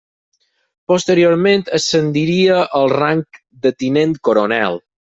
Posteriorment ascendiria al rang de tinent coronel.